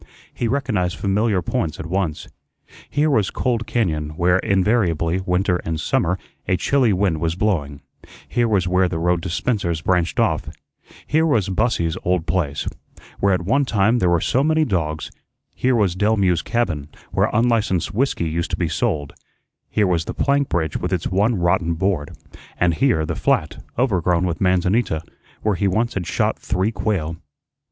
He recognized familiar points at once. Here was Cold cañón, where invariably, winter and summer, a chilly wind was blowing; here was where the road to Spencer's branched off; here was Bussy's old place, where at one time there were so many dogs; here was Delmue's cabin, where unlicensed whiskey used to be sold; here was the plank bridge with its one rotten board; and here the flat overgrown with manzanita, where he once had shot three quail.